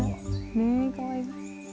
ねえかわいい。